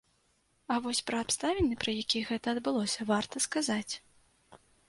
А вось пра абставіны, пры якіх гэта адбылося, варта сказаць.